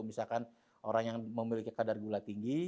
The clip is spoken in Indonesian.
misalkan orang yang memiliki kadar gula tinggi